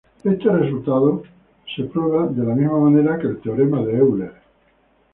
Este resultado se prueba de la misma manera que el teorema de Euler.